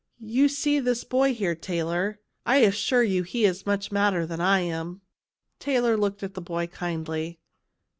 "You see this boy here, Taylor; I assure you he is much madder than I am." Taylor looked at the boy kindly.